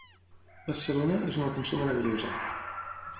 "Barcelona" és una cançó meravellosa.